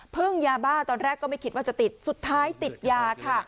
ยาบ้าตอนแรกก็ไม่คิดว่าจะติดสุดท้ายติดยาค่ะ